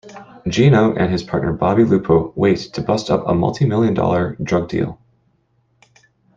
Gino and his partner Bobby Lupo wait to bust up a multimillion-dollar drug deal.